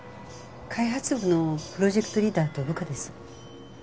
開発部のプロジェクトリーダーと部下です。